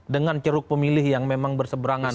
dengan ceruk pemilih yang memang berseberangan